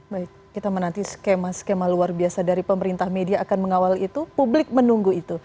baik kita menanti skema skema luar biasa dari pemerintah media akan mengawal itu publik menunggu itu